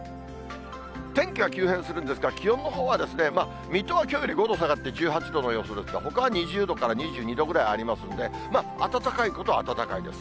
天気は急変するんですが、気温のほうは、水戸はきょうより５度下がって１８度の予想ですが、ほかは２０度から２２度ぐらいありますんで、暖かいことは暖かいです。